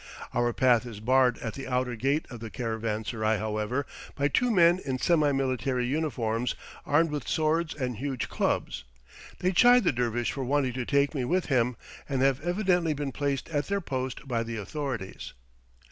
Our path is barred at the outer gate of the caravanserai, however, by two men in semi military uniforms, armed with swords and huge clubs; they chide the dervish for wanting to take me with him, and have evidently been placed at their post by the authorities.